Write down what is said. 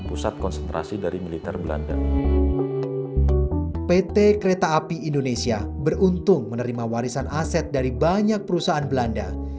pt kereta api indonesia beruntung menerima warisan aset dari banyak perusahaan belanda